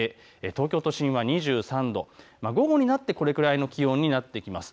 東京都心は２３度、午後になってこれくらいの気温になってきます。